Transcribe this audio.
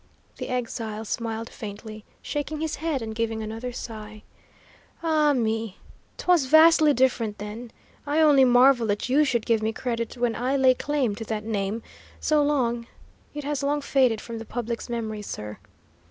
The exile smiled faintly, shaking his head and giving another sigh. "Ah, me! 'twas vastly different, then. I only marvel that you should give me credit when I lay claim to that name, so long it has long faded from the public's memory, sir."